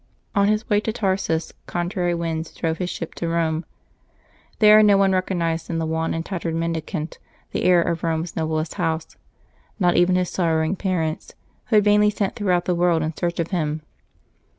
On his way to Tarsus contrary winds drove his ship to Rome. There no one recognized in the wan and tattered mendi cant the heir of Rome's noblest house; not even his sor rowing parents, who had vainly sent throughout the world in search of him.